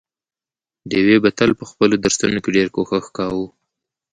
ډېوې به تل په خپلو درسونو کې ډېر کوښښ کاوه،